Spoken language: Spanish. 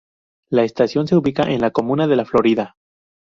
La estación se ubica en la comuna de La Florida.